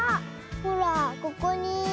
ほらここに。